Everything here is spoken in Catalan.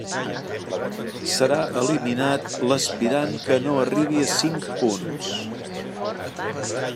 Serà eliminat l'aspirant que no arribi a cinc punts.